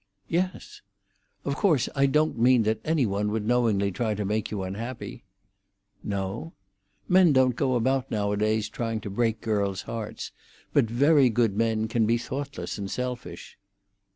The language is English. "Yes." "Of course, I don't mean that any one would knowingly try to make you unhappy?" "No." "Men don't go about nowadays trying to break girls' hearts. But very good men can be thoughtless and selfish."